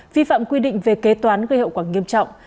vi phạm quy định về kế toán gây hậu quả nghiêm trọng